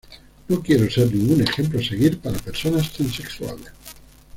No quiero ser ningún ejemplo a seguir para personas transexuales.